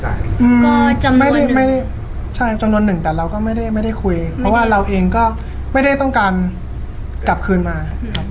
อืมก็จำไม่ได้ไม่ได้ใช่จำนวนหนึ่งแต่เราก็ไม่ได้ไม่ได้คุยเพราะว่าเราเองก็ไม่ได้ต้องการกลับคืนมาครับ